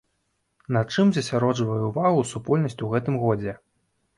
На чым засяроджвае ўвагу супольнасць у гэтым годзе?